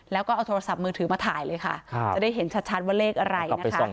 แล้วก็เอาโทรศัพท์มือถือมาถ่ายเลยค่ะจะได้เห็นชัดว่าเลขอะไรนะคะ